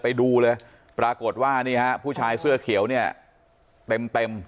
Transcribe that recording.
ไปดูเลยปรากฏว่านี่ฮะผู้ชายเสื้อเขียวเนี่ยเต็มเต็ม